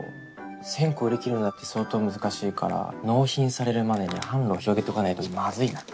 １０００個売り切るのだって相当難しいから納品されるまでに販路を広げておかないとマズいな。